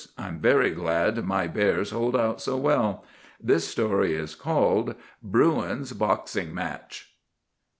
I'm very glad my bears hold out so well. This story is called,— 'BRUIN'S BOXING MATCH.